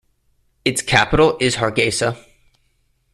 Its capital is Hargeisa.